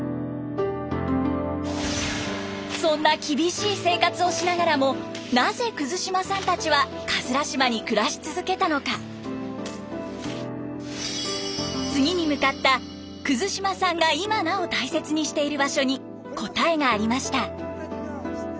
そんな厳しい生活をしながらもなぜ島さんたちは島に暮らし続けたのか次に向かった島さんが今なお大切にしている場所に答えがありました。